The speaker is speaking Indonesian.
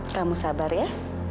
kamu sabar ya